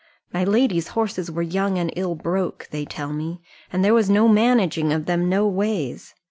My lady's horses were young and ill broke, they tell me, and there was no managing of them no ways.